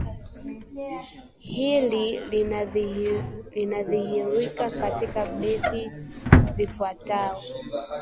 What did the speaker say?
Hili linadhihirika katika beti zifuatao